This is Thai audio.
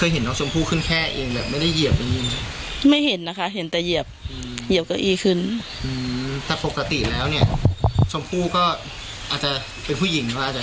เห็นแต่เหยียบเหยียบกะอีขึ้นถ้าปกติแล้วเนี่ยชมพู่ก็อาจจะเป็นผู้หญิงเนี่ยอาจจะ